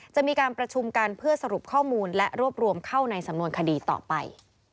จะมีการประชุมกันเพื่อสรุปข้อมูลและรวบรวมเข้าในสำนวนคดีต่อไป